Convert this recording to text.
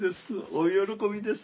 大喜びです。